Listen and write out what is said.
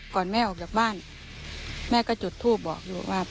ก่อนแม่ออกหยับบ้านแม่ก็จุดทูปบอกอยู่ว่า